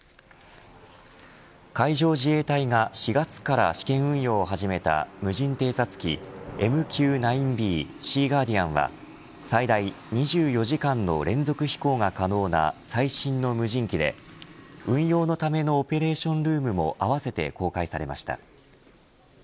海上自衛隊が４月から試験運用を始めた無人偵察機ＭＱ−９Ｂシーガーディアンは最大２４時間の連続飛行が可能な最新の無人機で運用のためのオペレーションルームもあわせて公開されました。